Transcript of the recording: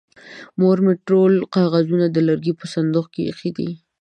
مور مې ټول کاغذونه د لرګي په صندوق کې ايښې دي.